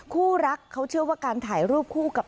คู่รักเขาเชื่อว่าการถ่ายรูปคู่กับ